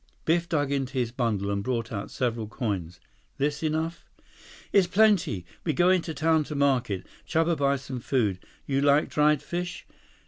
Biff dug into his bundle and brought out several coins. "This enough?" 106 "Is plenty. We go into town to market. Chuba buy some food. You like dried fish?